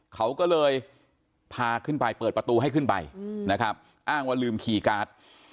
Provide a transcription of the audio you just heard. เขาก็เลยพาขึ้นไปเปิดประตูให้ขึ้นไปนะครับอ้างว่าลืมคีย์การ์ด